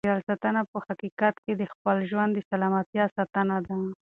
د چاپیریال ساتنه په حقیقت کې د خپل ژوند د سلامتیا ساتنه ده.